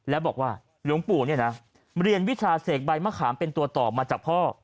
แล้วบอกว่าหลวงปู่เนี่ยนะเรียนวิชาเสกใบมะขามเป็นตัวต่อมาจากพ่อ